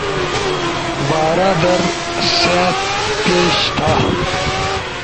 بارا در، سأت، پیش تھا